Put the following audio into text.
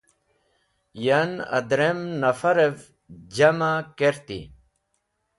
Yan, adrem nafarev jam’ẽ kerti.